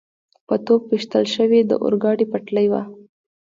په توپ ویشتل شوې د اورګاډي پټلۍ وه.